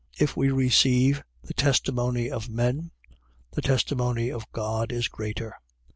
If we receive the testimony of men, the testimony of God is greater.